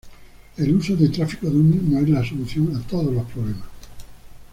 El uso de tráfico dummy no es la solución a todos los problemas.